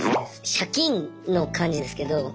借金の感じですけど。